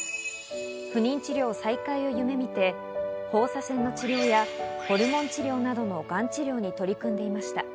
不妊治療再開を夢見て、放射線の治療やホルモン治療などのがん治療に取り組んでいました。